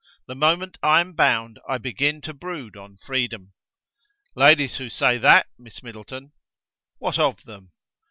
The moment I am bound I begin to brood on freedom." "Ladies who say that, Miss Middleton!. .." "What of them?"